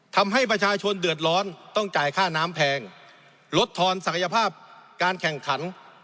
ทำให้ประชาชนเดือดร้อนต้องจ่ายค่าน้ำแพงลดทอนศักยภาพการแข่งขัน